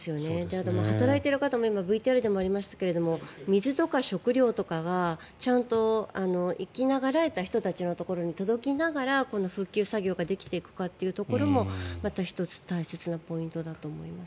あと、働いている方も今、ＶＴＲでもありましたが水とか食料とかがちゃんと生き永らえた人たちのところに届きながら、復旧作業ができていくかというところもまた１つ大切なポイントだと思います。